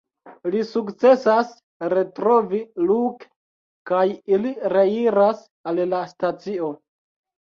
Li sukcesas retrovi Luke kaj ili reiras al la stacio.